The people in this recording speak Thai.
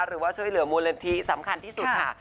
หรือว่าช่วยเหลือมูลนิธิสำคัญที่สุดค่ะ